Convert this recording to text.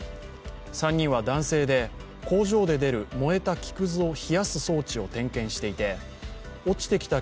３人は男性で、工場で出る燃えた木くずを冷やす装置の点検をしていて落ちてきた